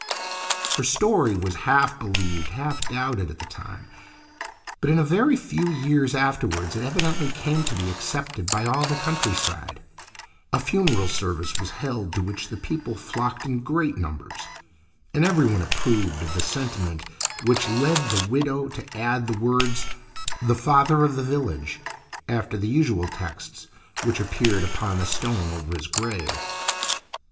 Her story was half believed, half doubted at the time, but in a very few years afterwards it evidently came to be accepted by all the countryside. A funeral service was held to which the people flocked in great numbers, and everyone approved of the sentiment which led the widow to add the words, "The Father of the Village," after the usual texts which appeared upon the stone over his grave.